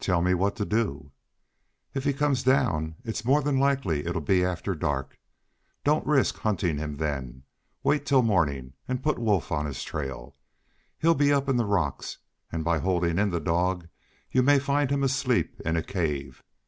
"Tell me what to do." "If he comes down it's more than likely to be after dark. Don't risk hunting him then. Wait till morning, and put Wolf on his trail. He'll be up in the rocks, and by holding in the dog you may find him asleep in a cave.